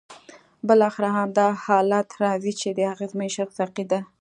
بالاخره همدا حالت راځي چې د اغېزمن شخص عقیده خرابه ده.